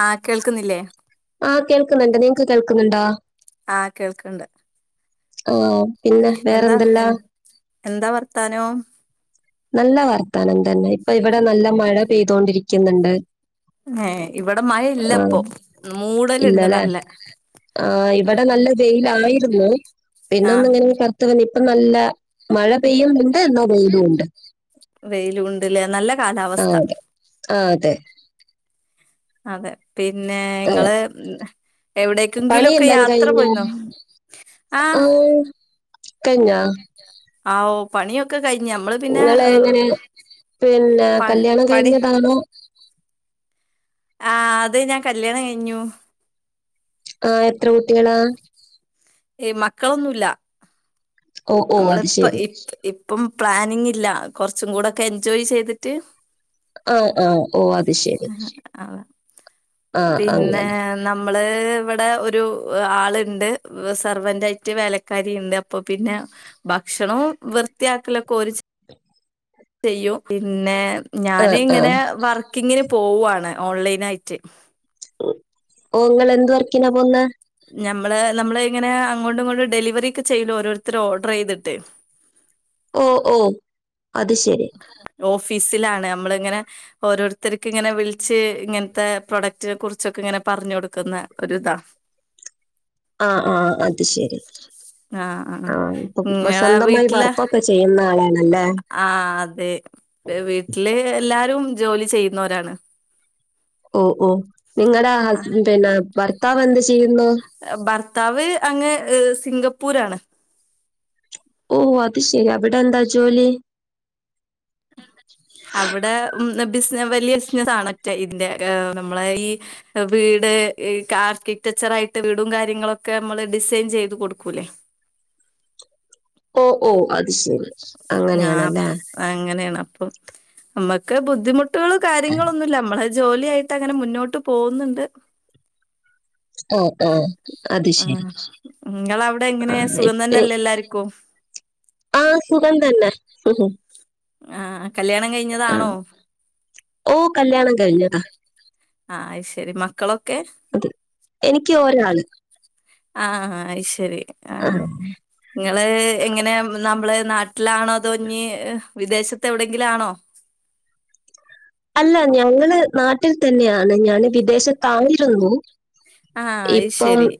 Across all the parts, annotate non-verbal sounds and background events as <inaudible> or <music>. ആഹാ കേൾക്കുന്നില്ലേ? ആഹാ കേൾക്കുന്നുണ്ട്, നിങ്ങക്ക് കേൾക്കുന്നുണ്ടോ? ആഹ് കേൾക്കണ്ട് ആഹ് പിന്നെ എന്താ വേറെന്തല്ലാ എൻ എന്താ വർത്താനം നല്ല വർത്താനം തന്നെ ഇപ്പൊ ഇവിടെ നല്ല മഴ പെയ്തോണ്ടിരിക്കുന്നുണ്ട് ഏഹ് ഇവിടെ മഴ ആഹ് ഇല്ലപ്പൊ മൂടലുണ്ട് ഇല്ലല്ലേ നല്ല ആഹ് ഇവിടെ നല്ല വെയിലായിരുന്നു പിന്നെ ഒന്ന് ആഹ് ഇങ്ങനെ കറുത്തുവന്ന് ഇപ്പ നല്ല മഴ പെയ്യുന്നുണ്ട് എന്നാ വെയിലും ഉണ്ട് വെയിലും ഉണ്ടല്ലേ നല്ല ആഹ് കാലാവസ്ഥ അതെ ആഹ് അതെ അതെ പിന്നെ ആഹ് ഇങ്ങള് എവിടേ ക്കെങ്കിലുഒക്കെ പണിയെല്ലാം യാത്ര കഴിഞ്ഞോ പോയിരു ന്നോ ആഹ് കഴിഞ്ഞാ ആഹ് ഓ പണിയൊക്കെ കഴിഞ്ഞ് നമ്മള് പിന്നെ നിങ്ങള് എങ്ങനെ പിന്നെ പ കല്യാണം പണി കഴിഞ്ഞതാണോ ആഹ് അതെ ഞാൻ കല്യാണം കഴിഞ്ഞു ആഹ് എത്ര കുട്ടികളാ ഏയ് മക്കളൊന്നും ഇല്ല ഓ ഓ അത് നമ്മളിപ്പ ശരി ഇ ഇപ്പം പ്ലാനിങ് ഇല്ല കൊറച്ചും കൂടോക്കെ എൻജോയ് ചെയ്തിട്ട്- ആഹ് ആഹ് ഓഹ് അത് ശെരി ആഹ് പിന്നെ നമ്മള് ഇവിടെ ഒരു ആളുണ്ട് സെർവന്റായിട്ട് വേലക്കാരി ഉണ്ട് അപ്പൊ പിന്ന ഭക്ഷണവും വൃത്തിയാക്കലൊക്കെ ഓര് ചെ - ചെയ്യും പിന്നെ ഞാന് ആഹ് ആഹ് ഇങ്ങനെ വർക്കിങ്ങിന് പോവാണ് ഓൺലൈനായിട്ട് ഓഹ് ഇങ്ങള് എന്ത് വർക്കിനാ പോന്നെ ഞമ്മള് നമ്മള് ഇങ്ങനെ അങ്ങോട്ടും ഇങ്ങോട്ടും ഡെലിവറി ഒക്കെ ചെയ്യോല്ലോ ഓരോരുത്തര് ഓഡർ ചെയ്തിട്ടേ ഓഹ് ഓഹ് അത് ശെരി ഓഫീസിലാണ് അമ്മള് ഇങ്ങനെ ഓരോരുത്തർക്ക് ഇങ്ങനെ വിളിച്ച് ഇങ്ങനത്തെ പ്രൊഡക്റ്റിനെ കുറിച്ചൊക്കെ ഇങ്ങനെ പറഞ്ഞു കൊടുക്കുന്ന ഒര്താ <unintelligible> ആഹ് ആഹ് അത് ശെരി ആഹ് ഇപ്പ നിങ്ങളെ സ്വന്തമായി വീട്ടിലെ വർക്കൊക്കെ- ചെയ്യുന്ന ആളാണല്ലേ ആഹ് അതെ വീട്ടില് എല്ലാരും ജോലി ചെയ്യുന്നവരാണ് ഓഹ് ഓഹ് നിങ്ങടെ ഹസ്ബ പിന്നെ ഭർത്താവ് എന്ത് ചെയ്യുന്നു. ഏഹ് ഭർത്താവ് അങ്ങ് സിംഗപ്പൂരാണ്. ഓഹ് അത് ശെരി അവിടെന്താ ജോലി അവിടെ ഉം ബിസ് വലിയ ബിസിനസ് ആണ് മറ്റെ ഇതിന്റെ ക്കെ നമ്മളെ ഈ വീട് ഈ കാർക്കിടെക്ചർ ആയിട്ട് വീടും കാര്യങ്ങളൊക്കെ നമ്മള് ഡിസൈൻ ചെയ്ത് കൊടുക്കൂലെ ഓഹ് ഓഹ് അത് ശെരി അങ്ങനെയാണല്ലേ അപ്പൊ ആഹ് അങ്ങനെയാണ് അപ്പം നമ്മക്ക് ബുദ്ധിമുട്ട്കളോ കാര്യങ്ങളൊന്നുഇല്ല നമ്മള്- ജോലിയായിട്ട് അങ്ങനെ മുന്നോട്ട് പോവുന്നുണ്ട് ഓ ഓ അത് ശരി ആഹ് നിങ്ങളവിടെ എങ്ങനെ ആ സുഖം ഇപ്പ- തന്നല്ലേ എല്ലാരിക്കും ആ സുഖം തന്നെ ആഹ് കല്യാണം ആ കഴിഞ്ഞതാണോ ഓ കല്യാണം കഴിഞ്ഞതാ ആഹ് അയ് ശെരി മക്കളൊക്കെ അത് എനിക്ക് ഒരാള് ആഹ് അയ് ശരി ആ. ആഹ് നിങ്ങള് ഇങ്ങനെ നമ്മള് നാട്ടിലാണോ അതോ ഇന്നി വിദേശത്തെവിടേങ്കിലുവാണോ അല്ല ഞങ്ങള് നാട്ടിൽ തന്നെയാണ് ഞാന് വിദേശത്തായിരുന്നു ആഹ് അത് ഇപ്പം ശരി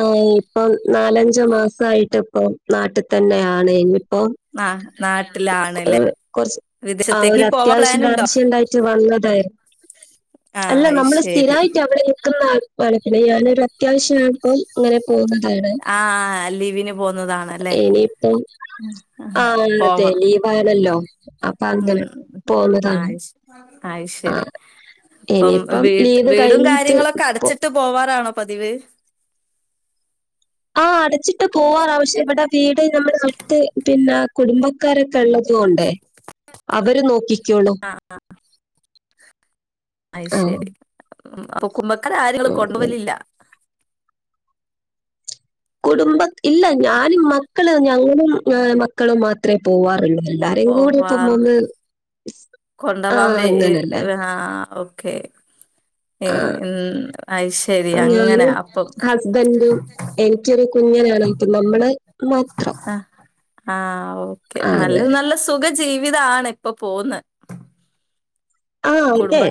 ആഹ് ഇപ്പം നാലഞ്ച് മാസായിട്ട് ഇപ്പം നാട്ടി തന്നെയാണ് ഇനിയിപ്പോ ആഹ് നാട്ടിലാണല്ലേ വിദേശത്തേക്ക് പോവാൻ പ്ലാനുണ്ടോ ലായിട്ട് വന്നതായിരു ആഹ് അല്ല അത് നമ്മൾ ശരി സ്ഥിരായിട്ട് അവിടെ ക്കുന്ന ആത്മാനത്തിന് ഞാനൊരു അത്യാവശ്യ ആയപ്പം അങ്ങനെ പോന്നതാണ് ആഹ് ലീവിന് പോന്നതാണല്ലേ ഇനിയിപ്പോം ആഹ് അന്നത്തെ അതെ ലീവായിതല്ലോ അപ്പ അങ്ങനെ പോന്നതാണ് അയ് ആ ശരി അപ്പം ഇനിയിപ്പം വീട് ലീവ് വീടും കഴിഞ്ഞിട്ട് കാര്യങ്ങളൊക്കെ പോ അടച്ചി ട്ടു പോവാറാണോ പതിവ് ആഹ് അടച്ചിട്ട് പോവാറാ പക്ഷെ ഇവിടെ വീട് നമ്മള് എടുത്ത് പിന്നേ കുടുംബക്കാരൊ കള്ളത് കൊണ്ടേ അവര് നോക്കിക്കോളും അയ് ആഹ്. ശരി കുടുംബക്കാരാരെയും നിങ്ങള് കൊണ്ടു പോവലില്ല കുടുംബ ഇല്ല ഞാനും മക്കള് ഞങ്ങളും ഏഹ് മക്കളും മാത്രേ പോവാറുള്ളൂ എല്ലാരേയും കൂടി ഇപ്പം വന്ന് കൊണ്ടോവാൻ വേ ഈ ആഹ് ഓക്കേ ആ ഉം -ഉം അയ് ശരി അപ്പൊ ഞാനും അങ്ങനാ അപ്പം ഹസ്ബൻഡും എനിക്കൊരു കുഞ്ഞനാണ് ഇപ്പ നമ്മള് മാത്രം ആഹ് ഓക്കെ ആ നല്ല അങ്ങനെ നല്ല സുഖജീവിതാണ് ഇപ്പൊ പോന്നെ ആ കുടുംബ അതെ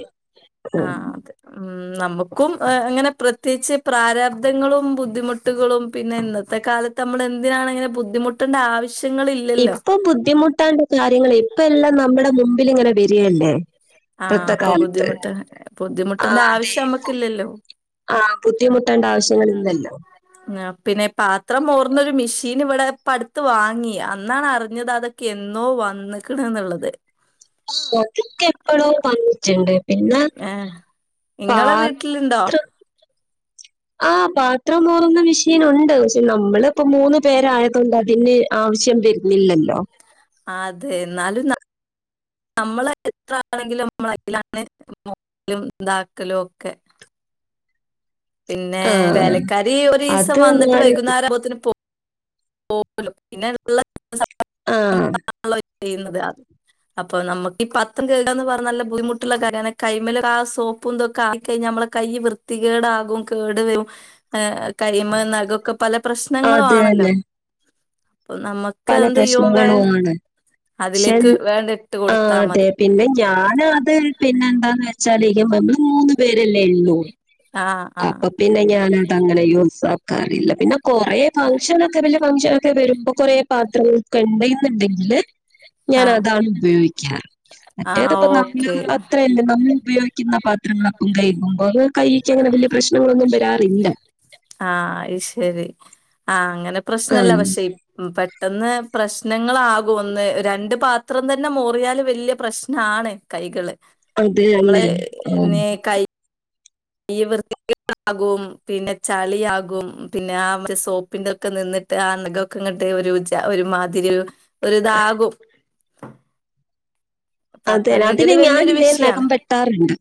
ഉം. ആഹ് അതെ ഉം നമ്മുക്കും ഏഹ് അങ്ങനെ പ്രത്യേകിച്ച് പ്രാരാബ്ദങ്ങളും ബുദ്ധിമു ട്ടുകളും പിന്നെ ഇന്നത്തെ കാലത്ത് നമ്മള് എന്തിനാണ് ഇങ്ങനെ ബുദ്ധിമുട്ടണ്ട ആവശ്യങ്ങളി ഇപ്പൊ ബുദ്ധിമുട്ടാണ്ട് കാര്യങ്ങള് ഇപ്പം എല്ലാം നമ്മുടെ മുമ്പിലിങ്ങനെ വരികല്ലേ ആഹ് അപ്പൊ ബുദ്ധിമുട്ട് ബുദ്ധിമുട്ടിന്റെ ആവശ്യം നമ്മുക്കില്ലല്ലോ ആഹ് ബുദ്ധിമുട്ടേണ്ട ആവശ്യങ്ങൾ ഇല്ലല്ലോ ആഹ് പിന്നെ പാത്രം മൂർന്നൊരു മെഷീൻ ഇവിടെ ഇപ്പടുത്ത് വാങ്ങി അന്നാണ് അറിഞ്ഞത് അത് ക്കെന്നോ വന്ന്ക്ക്ണ്ന്നുള്ളത് ഓരൊ ക്കെ എപ്പൊളോ വന്നിട്ടുണ്ട് പിന്നെ ഏ ഇങ്ങളെ വീട്ടിലുണ്ടോ പാത്രം ആഹ് പാത്രമോറുന്ന മെഷീനുണ്ട് പക്ഷെ നമ്മളിപ്പോ മൂന്ന് പേരായതൊണ്ട് അതിന് ആവശ്യം വരുന്നില്ലല്ലോ ആഹ് അതെ എന്നാലും നാ നമ്മള് എത്ര ആണെങ്കിലും നമ്മള് ഇതിലാണ് നോക്കലും ഇതാക്കലും ഒക്കെ പിന്നേ ആഹ്. വേലക്കാരി ഒരിസം അത് വന്നിട്ട് ഞാന് വൈകുന്നേരം ആമ്പുത്തേന് പോ പോവലും പിന്നെ ആഹ്. <inaudible> ചെയ്യുന്നത് അത് അപ്പൊ നമുക്ക് ഈ പത്രം കഴുകാന്ന് പറഞ്ഞ നല്ല ബുദ്ധിമുട്ടുള്ള കാര്യാണ് കൈമേലിതാ സോ പ്പുന്തൊക്കെ ആയിഴിഞ്ഞ നമ്മുടെ കൈ വൃത്തികേടാകും കേട് വരും കയ്യ്മ്മേനഖഒക്കെ പല പ്രശ്നങ്ങളും അത് ആണല്ലോ തന്നെ. പ്പനമ്മ പല പ്രശ്നങ്ങളു ആണ് ഷൻ അതിലേക്ക് വേണ്ട ഇട്ട് കൊടുത്താ അഹ് അതെ മതി പിന്നെ ഞാന് അത് പിന്നെ എന്താന്ന് വെച്ചാല് മൂന്നു പേരല്ലേ ഉള്ളൂ ആഹ് ആഹ് അപ്പൊ പിന്നെ ഞാന അതങ്ങനെ യൂസ ആക്കാറില്ല പിന്നെ കൊറെ ഫംഗഷനൊക്കെ വലിയ ഫംഗ്ഷൻൊക്കെ വരുമ്പോ കൊറെ പാത്രങ്ങൾക്കെ ഉണ്ട് എന്നുണ്ടെങ്കില് ഞൻ ആഹ് അതാണ് ഉപയോഗിക്കാറ് ആഹ് മറ്റേത്പ്പ നമ്മള് ഓക്കെ അത്രല്ല നമ്മൾ ഉപയോഗിക്കുന്ന പാത്രങ്ങളൊപ്പം കഴുകുമ്പോ അത് കൈക്ക് അങ്ങനെ വലിയ പ്രശ്നങ്ങളൊന്നും വരാറില്ല ആഹ് അത് ശെരി ആഹ് അങ്ങനെ പ്രശ്നല്ല ആഹ് പക്ഷേ ഇപ് പെട്ടെന്ന് പ്രശ്നങ്ങളാകും ഒന്ന് രണ്ട് പാത്രം തന്നെ മോറിയാല് വെല്യ പ്രശ്നാണ് കൈകള് അതെ നമ്മള് അല്ലേ ആഹ് ന്നെ കയ് <unintelligible> വൃത്തിയാകും പിന്നെ ചളിയാകും പിന്നെ ആ സോപ്പ് പ്പിന്റൊക്കെ നിന്ന്ട്ട് <unintelligible> ങ്ങട്ട് ഒരു ജാ ഒരു മാതിരി ഒര് ഒര്താകും അതെ പാത്രം കെഴ്കല് അതിന് വെല്യൊരു ഞാനിതേ വിഷയാണ് നഖം വെട്ടാറുണ്ട്.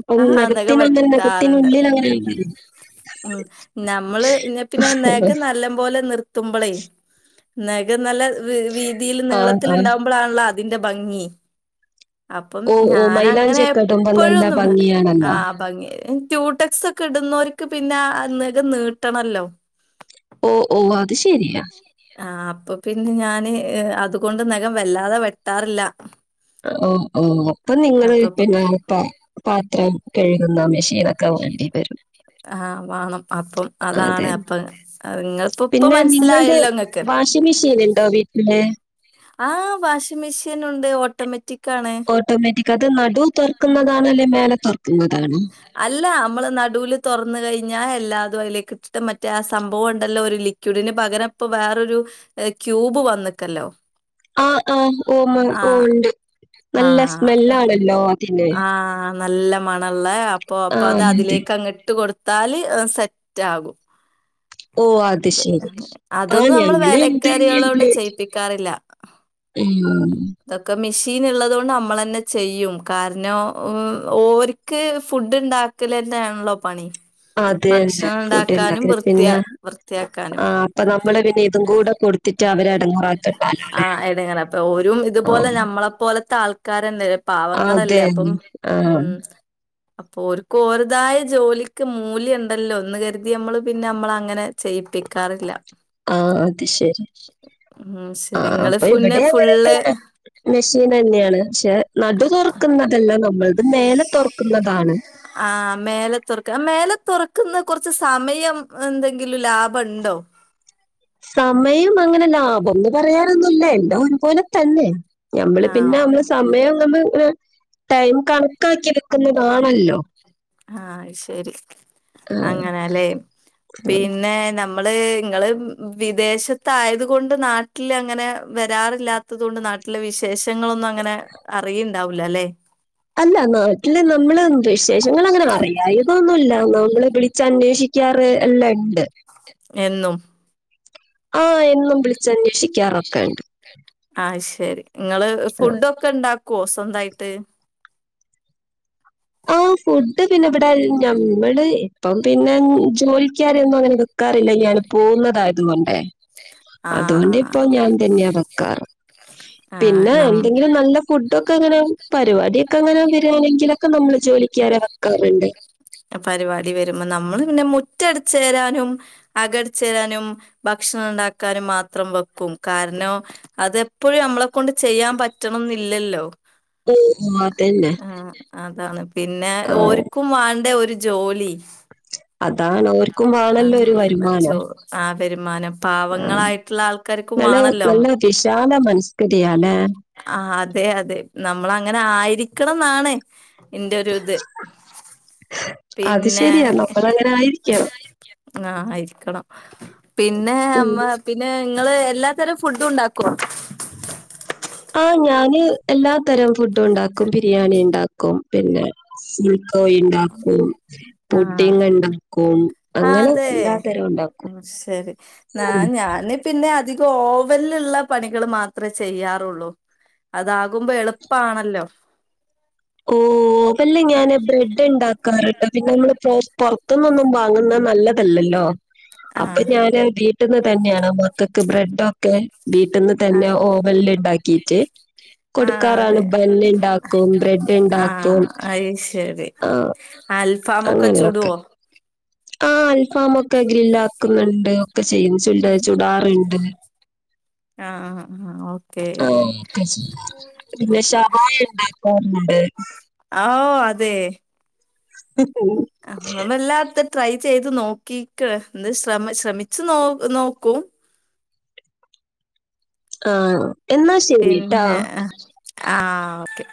അപ്പം ആഹ് അതൊക്കെ നഖത്തിനങ്ങനെ വെട്ടാറ്ണ്ട് നഖത്തിനുള്ളിലങ്ങനെ ഉം നമ്മള് ന്ന പിന്നെ നെകം നല്ലം പോലെ നിർ ത്തുമ്പളേ നെകം നല്ല വീ വീതീല് ആഹ് ആഹ് നീളത്തില്ണ്ടാവു മ്പളാണല്ലോ അതിന്റെ ഭംഗി അപ്പം ഓഹ് ഓഹ് ഞാനങ്ങനെ മൈലാഞ്ചിയൊക്കെ ഇടുമ്പോ നല്ല എപ്പഴൊന്നും ഭംഗിയാണല്ലോ. ആഹ് ഭംഗി ക്യുട്ട് സ്സൊക്കെ ഇട്ന്നോര്ക്ക് പിന്നാ നെഖം നീട്ടണല്ലോ ഓഹ് ഓഹ് അത് ശെരിയാ ആഹ് അപ്പൊ പിന്നെ ഞാന് ഏഹ് അതുകൊണ്ട് നഖം വെല്ലാതെ വെട്ടാറില്ല ഓഹ് ഓഹ് അപ്പൊ നിങ്ങള് അപ്പപ്പ പിന്നെ പ പാത്രം കെഴുകുന്ന മെഷീ ഇതൊക്കെ വാണ്ടി വെരും ആഹ് വാണം അപ്പം അതെ അതാണ് അപ്പം ഇങ്ങൾ പ്പ ഇപ്പ മൻസ്സിലായല്ലോ ഇങ്ങ വാഷി മിഷീന്ണ്ടോ വീട്ടില് ആഹ് വാഷി മിഷീനുണ്ട് ഓട്ടോമെറ്റിക്കാണ് ഓട്ടോമാറ്റിക് അത് നടു തൊർക്ക്ന്നതാണോ അല്ലെ മേലെ തൊർക്ക്ന്നതാണോ അല്ല അമ്മള് നടൂല് തൊർന്ന് കഴിഞ്ഞാ എല്ലാതും അയിലേക്കിട്ടിട്ട് മറ്റേ ആ സംഭവൊണ്ടല്ലോ ഒരു ലി ക്യുടിന് പകരം ഇപ്പ വേറൊരു ഏഹ് ക്യൂബ് വന്ന്ക്കല്ലോ ആഹ് ആഹ് ഓമ ഓ ണ്ട് ആഹ് ആഹ് നല്ല മണള്ളേ അപ്പൊ ആ അപ്പതിലേ അതെ ക്കങ് ട്ട് കൊടുത്താല് സെറ്റാകും ഓ അത് ശരി <unintelligible> ആ അതൊന്നും നമ്മള് ഞങ്ങള് ഇത് തന്നെയാ വേലക്കാരികളൊണ്ട് ചെയ്യിപ്പിക്കാറില്ല ഉം തൊക്കെ മിഷീന്ള്ളതോണ്ട് നമ്മളെന്നെ ചെയ്യും കാരണം ഉം ഓര് ക്ക് ഫുഡ്ണ്ടാക്കലന്നേണല്ലോ പണി അതെന്നെ ഭക്ഷണം ഇണ്ടാക്കാനും ഫുഡ്ണ്ടാക്കല് വൃത്തിയ പിന്നെ വൃത്തിയാക്കാനും. ആ അപ്പൊ നമ്മള് പിന്നെ ഇതും കൂടെ കൊട് ത്തിറ്റവരെ എടങേറാക്കണ്ടാലോ ലെ പ്പ ഒരും ഇതുപോലെ ഞമ്മളെ പോലത്തെ ആൾ കാരന്ത പാവങ്ങളല്ലേ അതെ അപ്പം ആ ഉം അപ്പൊ ഓര്ക്കോരതായ ജോലിക്ക് മൂല്യം ണ്ടല്ലോ ന്ന് കരുതി നമ്മള് പിന്നെ നമ്മളങ്ങനെ ചെയ്യിപ്പിക്കാറില്ല ആഹ് അത് ശെരി ഉം ആ ശരി ഇങ്ങള് അപ്പൊ പിന്നെ ഇവിടെ ഫുള്ള് അങ്ങനെത്തെന്നെ മെഷീനെന്ന്യാണ് പക്ഷെ നടു തൊർക്കുന്നതല്ല നമ്മളത് മേലെ തൊർക്കുന്നതാണ് ആ മേലെ തൊർക്ക മേലെ തൊർക്കുന്നത് കൊർച്ച് സമയം എന്തെങ്കിലും ലാഭണ്ടോ സമയം അങ്ങനെ ലാഭംന്ന് പറയാനൊന്നുല്ല എല്ലാം ഒരുപോലെ തന്നെ നമ്മള് പിന്നെ നമ്മള് ആഹ് സമയം നമ്മള്ങ്ങനെ ടൈം കണക്കാക്കിട്ക്ക്ന്നതാണല്ലോ ആഹ് അത് ശെരി ആഹ് അങ്ങനെല്ലേ പിന്നെ നമ്മ മ്മള് ഇങ്ങള് വിദേശത്തായത് കൊണ്ട് നാട്ടിൽ അങ്ങനെ വെരാറില്ലാത്തത് കൊണ്ട് നാ ട്ടിലെ വിശേഷങ്ങളൊന്നും അങ്ങനെ അറിയിണ്ടാവുല ലെ അല്ല നാട്ടില് നമ്മള് വിശേഷങ്ങളങ്ങനെ അറിയായി ന്നൊന്നുല്ല നമ്മള് വിളിച്ച അന്വോഷിക്കാറ് എല്ലാ ഇണ്ട് എന്നും ആഹ് എന്നും വിളിച്ചന്വേഷി ക്കും <unintelligible> ആഹ് ശരി ഇങ്ങള് ആഹ് ഫുഡ്‌ ഒക്കെ ഉണ്ടാക്കോ സ്വന്തായിട്ട് ആഹ് ഫുഡ് പിന്നെ ഇവിടെ ഞമ്മള് ഇപ്പം പിന്നെ ജോലിക്കാരൊന്നു അങ്ങനെ വെക്കാറില്ല ഞാൻ പോവുന്നതായത് കൊണ്ടേ അതുകൊണ്ട് ആഹ് ഇപ്പൊ ഞാൻ തന്നെയാ വെക്കാറ് ആഹ് പിന്നെ നം എന്തെങ്കിലും നല്ല ഫുഡ് ഒക്കെ അങ്ങനെ പരിപാടിയൊക്കെ അങ്ങനെ വരാണെങ്കിലൊക്കെ നമ്മള് ജോലിക്കാരെ വെക്കാറ്ണ്ട് ആഹ് പരിവാടി വരുമ്പം നമ്മള് പിന്നെ മുറ്റടിച്ചേരാനും അകടിച്ചാരാനും ഭക്ഷണണ്ടാക്കാനും മാത്രം വെക്കും കാരണം അതെപ്പൊഴും നമ്മളെ കൊണ്ട് ചെയ്യാംപറ്റണന്നില്ലല്ലോ ആഹ് അതന്നെ അതാണ് പിന്നെ ആഹ് ഓര്ക്കും വാണ്ടെ ഒരു ജോലി അതാണ് ഓര്ക്കും വാണല്ലോ ഒരു വരുമാനം ആഹ് വരുമാനം ആഹ് പാവങ്ങളായിട്ടുള്ള ആൾക്കാര്ക്കും ഇങ്ങള് വാണല്ലോ നല്ല വിശാല മനസ്കരിയാല്ലേ? ആഹ് അതെ അതെ നമ്മളങ്ങനെ ആയിരിക്കണം ന്നാണ് ഇന്റെ ഒരു ഇത് പിന്നെ അങ്ങനായിരിക്കണം ആഹ് ആയ്രിക്കണം പിന്നെ ഉം. അമ്മ പിന്നെ ഇങ്ങള് എല്ലാത്തരം ഫുഡും ഉണ്ടാക്കോ ആഹ് ഞാന് എല്ലാതരം ഫുഡും ഉണ്ടാക്കും ബിരിയാണി ഇണ്ടാക്കും പിന്നെ ഉം കോഴി ഇണ്ടാക്കും ആഹ് പുഡ്ഡിംഗ്ണ്ടാക്കും അങ്ങനെ അതെ എല്ലാ തരം ഉണ്ടാക്കും ആഹ് ശരി ന്നാ ഉം. ഞാന് പിന്നെ അധികം ഓവൻല്ള്ള പണികൾ മാത്രേ ചെയ്യാറൊള്ളു അതാകുമ്പോ എളുപ്പാണല്ലോ ഓ ഓവൻല് ഞാന് ബ്രെഡ് ഇണ്ടാക്കാറ്ണ്ട് പിന്നെ നമ്മള് പോസ്റ്റ്‌ പൊറത്ത്ന്നൊന്നും വാങ്ങുന്ന നല്ല തല്ലല്ലോ അപ്പൊ ആഹ് ഞാന് വീട്ട്ന്ന് തന്നെയാണ് മക്കൾക്ക് ബ്രെഡൊക്കെ വീട്ട്ന്ന് തന്നെ ആഹ് ഓവൻല് ഇണ്ടാക്കിട്ട് ആഹ് അതെ ബ്രെഡ് <unintelligible> ഇണ്ടാക്കും ആഹ് അയ്ശരി ആഹ് അൽ അങ്ങനെയൊക്കെ ആഹ് അൽഫാമൊക്കെ ഗ്രില്ലാക്കുന്നുണ്ട് ഒക്കെ ചെയ്യും ചൊല് ചുടാറുണ്ട് ആഹ് ആഹ് ആഹ് ഓക്കെ ആഹ് പിന്നെ ഷവായ ഇണ്ടാക്കറ്ണ്ട് ഓഹ് അതെ <inaudible> ആഹ് നമ്മളല്ലാതും ട്രൈ ചെയ്ത് നോക്കിക്ക് ന്ത് ശ്രമ ശ്രമിച്ചു നോ നോക്കും ആഹ് എന്നാ ശരി ട്ടാ പിന്നെ ആഹ് ഓക്കെ